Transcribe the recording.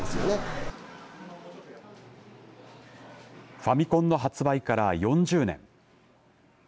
ファミコンの発売から４０年。